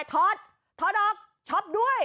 ทอดทอดออกชอบด้วย